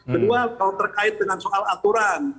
kedua kalau terkait dengan soal aturan